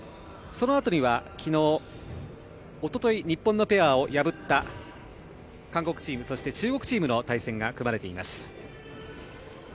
そのあとにはおととい日本のペアを破った韓国チーム、そして中国チームの対戦が組まれています。